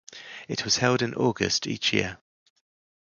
It was held in August each year.